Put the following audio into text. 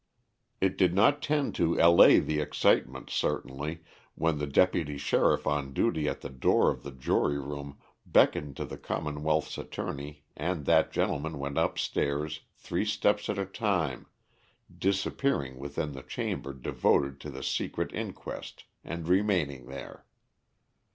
It did not tend to allay the excitement, certainly, when the deputy sheriff on duty at the door of the jury room beckoned to the commonwealth's attorney and that gentleman went up stairs three steps at a time, disappearing within the chamber devoted to the secret inquest and remaining there.